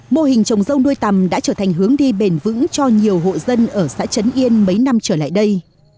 mô hình trồng dâu nuôi tầm đã trở thành hướng đi bền vững cho nhiều hộ dân ở xã trấn yên mấy năm trở lại đây